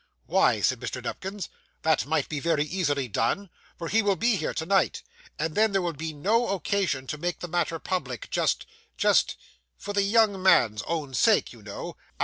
'Why,' said Mr. Nupkins, 'that might be very easily done, for he will be here to night, and then there would be no occasion to make the matter public, just just for the young man's own sake, you know.